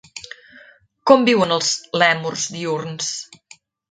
Com viuen els lèmurs diürns?